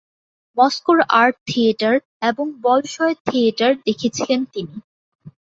মস্কোর art theatre এবং Bolshoi theatre দেখেছিলেন তিনি।